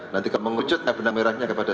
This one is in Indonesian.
nanti kemengucutnya benang merahnya kepada